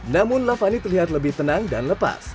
namun lavani terlihat lebih tenang dan lepas